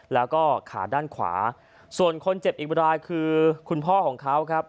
แล้วก็ขาด้านขวาส่วนคนเจ็บอีกรายคือคุณพ่อของเขาครับ